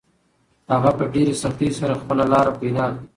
هغه په ډېرې سختۍ سره خپله لاره پیدا کړه.